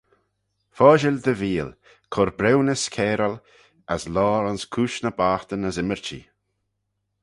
Foshil dty veeal, cur-briwnys cairal, as loayr ayns cooish ny boghtyn as ymmyrchee.